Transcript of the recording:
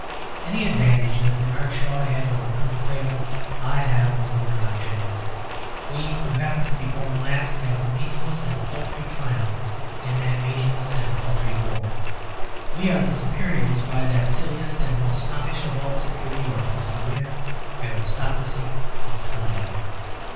Any advantage that Bernard Shaw had over Colonel Craven I have over Bernard Shaw; we who happen to be born last have the meaningless and paltry triumph in that meaningless and paltry war. We are the superiors by that silliest and most snobbish of all superiorities, the mere aristocracy of time.